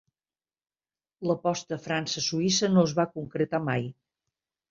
L'aposta França-Suïssa no es va concretar mai.